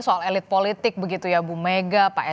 soal elit politik begitu ya bu mega pak